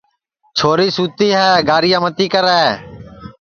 چھوری سُتی ہے گاریا متی کرے